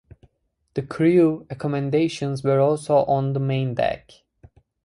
The crew accommodations were also on the main deck.